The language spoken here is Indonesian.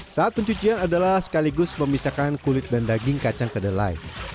saat pencucian adalah sekaligus memisahkan kulit dan daging kacang kedelai